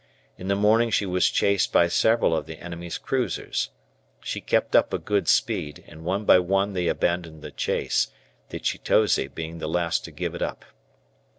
In the morning she was chased by several of the enemy's cruisers. She kept up a good speed, and one by one they abandoned the chase, the "Chitose" being the last to give it up.